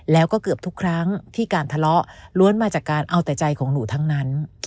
แล้วก็เกือบทุกครั้งที่การทะเลาะล้วนมาจากการเอาแต่ใจของหนูทั้งนั้น